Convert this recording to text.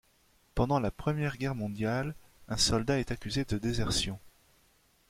Pendant la Première Guerre mondiale, un soldat est accusé de désertion.